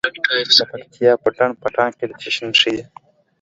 د پکتیا په ډنډ پټان کې د څه شي نښې دي؟